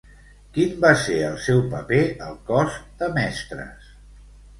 Quin va ser el seu paper al cos de mestres?